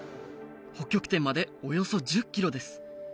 北極点までおよそ１０キロです